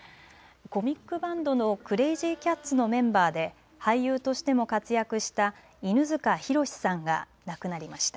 コミックバンドのクレージーキャッツのメンバーで俳優としても活躍した犬塚弘さんが亡くなりました。